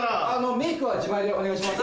メイクは自前でお願いします。